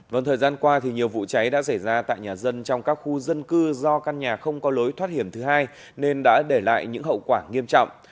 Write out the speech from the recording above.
vâng thời gian qua nhiều vụ cháy đã xảy ra tại nhà dân trong các khu dân cư do căn nhà không có lối thoát hiểm thứ hai nên đã để lại những hậu quả nghiêm trọng